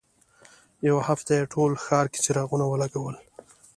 یوه هفته یې په ټول ښار کې څراغونه ولګول.